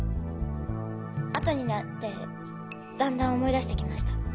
後になってだんだん思い出してきました。